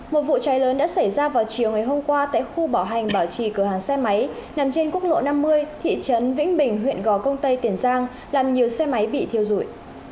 một vụ cháy lớn đã xảy ra vào chiều ngày hôm qua tại khu bảo hành bảo trì cửa hàng xe máy nằm trên quốc lộ năm mươi thị trấn vĩnh bình huyện gò công tây tiền giang làm nhiều xe máy bị thiêu dụi